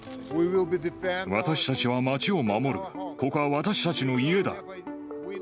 私たちは街を守る、ここは私たちの家だ。